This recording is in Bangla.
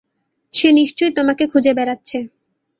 সে নিশ্চয়ই তোমাকে খুঁজে বেড়াচ্ছে।